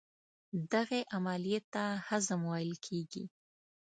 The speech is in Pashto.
دغې عملیې ته هضم ویل کېږي.